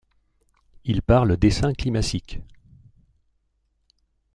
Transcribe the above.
Il parle d'essaim climacique.